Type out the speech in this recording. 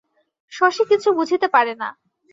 শশী কিছু বুঝিতে পারে না।